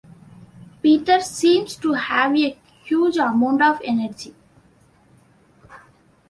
Peter seems to have a huge amount of energy.